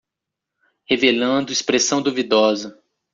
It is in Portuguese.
Revelando expressão duvidosa